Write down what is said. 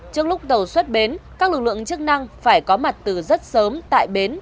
trước lúc tàu xuất bến các lực lượng chức năng phải có mặt từ rất sớm tại bến